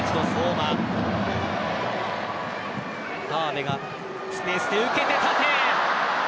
川辺がスペースで受けて縦へ。